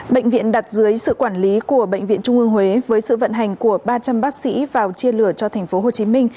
bệnh viện đặt dưới sự quản lý của bệnh viện trung ương huế với sự vận hành của ba trăm linh bác sĩ vào chia lửa cho tp hcm